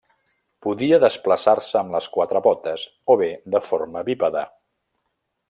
Podia desplaçar-se amb les quatre potes o bé de forma bípeda.